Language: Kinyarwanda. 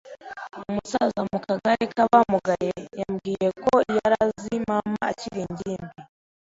Umusaza mu kagare k'abamugaye yambwiye ko yari azi mama akiri ingimbi.